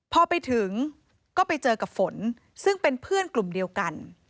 พอไปถึงก็ไปเจอกับฝนซึ่งเป็นเพื่อนกลุ่มเดียวกัน